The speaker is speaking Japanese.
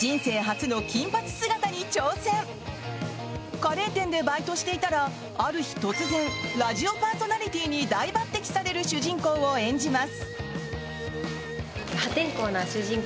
カレー店でバイトしていたらある日突然ラジオパーソナリティーに大抜てきされる主人公を演じます！